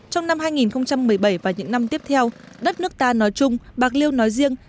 trong năm hai nghìn một mươi bảy và những năm tiếp theo đất nước ta nói chung bạc liêu nói riêng